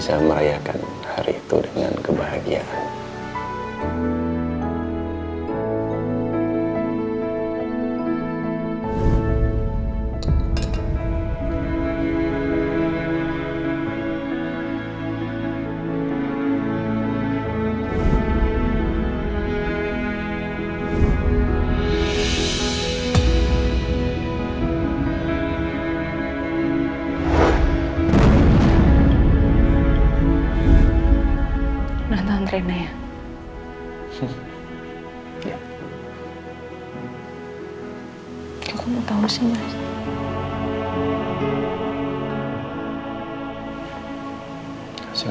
sampai jumpa di video selanjutnya